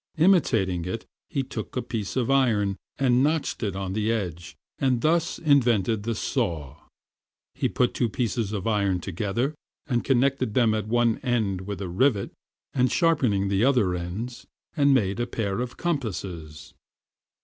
Imitating it, he took a piece of iron and notched it on the edge, and thus invented the SAW. He put two pieces of iron together, connecting them at one end with a rivet, and sharpening the other ends, and made a PAIR OF COMPASSES.